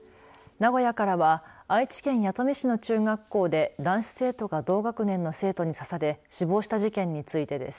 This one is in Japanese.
名古屋からは愛知県弥富市の中学校で男子生徒が同学年の生徒に刺され死亡した事件についてです。